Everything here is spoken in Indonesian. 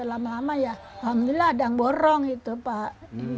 lama lama ya alhamdulillah ada yang borong itu pak